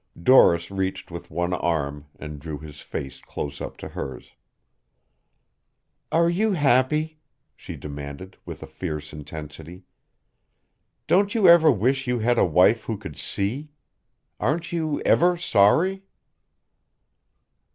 Doris reached with one arm and drew his face close up to hers. "Are you happy?" she demanded with a fierce intensity. "Don't you ever wish you had a wife who could see? Aren't you ever sorry?"